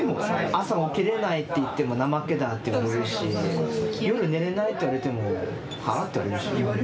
朝起きれないって言っても怠けだって言われるし夜寝れないって言われても「は？」って言われるし。